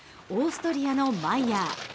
オーストリアのマイヤー。